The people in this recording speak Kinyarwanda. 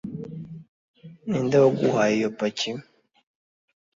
ninde waguhaye iyo paki